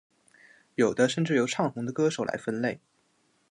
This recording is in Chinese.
有的甚至由唱红的歌手来分类。